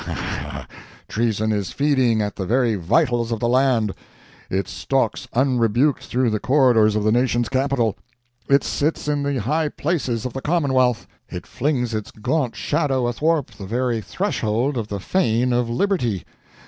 Ha ha! Treason is feeding at the very vitals of the land! It stalks unrebuked through the corridors of the nation's capitol! It sits in the high places of the Commonwealth; it flings its gaunt shadow athwart the very threshold of the fane of liberty!